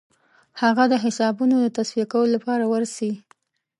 هغه د حسابونو د تصفیه کولو لپاره ورسي.